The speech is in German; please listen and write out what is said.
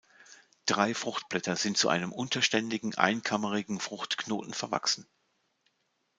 Drei Fruchtblätter sind zu einem unterständigen, einkammerigen Fruchtknoten verwachsen.